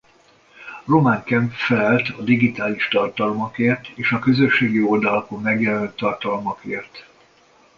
Roman Kemp felelt a digitális tartalmakért és a közösségi oldalakon megjelenő tartalmakért.